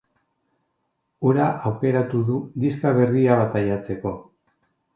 Hura aukeratu du diska berria bataiatzeko.